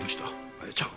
あやちゃん。